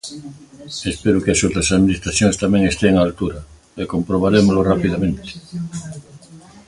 Espero que as outras administracións tamén estean á altura, e comprobarémolo rapidamente.